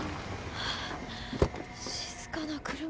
静かな車。